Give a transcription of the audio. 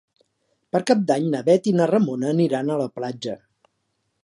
Per Cap d'Any na Bet i na Ramona aniran a la platja.